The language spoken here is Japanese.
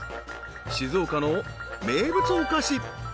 ［静岡の名物お菓子］